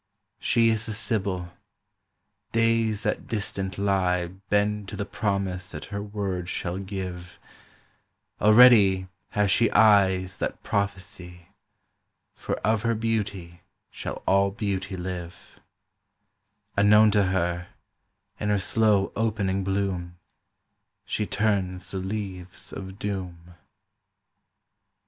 She is the Sibyl; days that distant lieBend to the promise that her word shall give; Already has she eyes that prophesy, For of her beauty shall all beauty live:Unknown to her, in her slow opening bloom, She turns the leaves of doom.